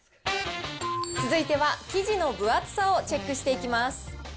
続いては生地の分厚さをチェックしていきます。